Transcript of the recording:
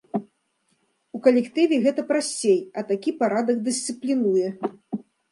У калектыве гэта прасцей, а такі парадак дысцыплінуе.